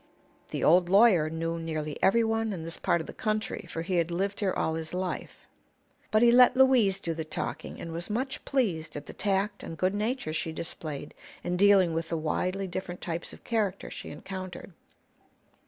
The old lawyer knew nearly everyone in this part of the country, for he had lived here all his life. But he let Louise do the talking and was much pleased at the tact and good nature she displayed in dealing with the widely different types of character she encountered.